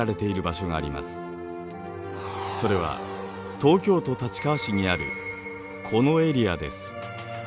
それは東京都立川市にあるこのエリアです。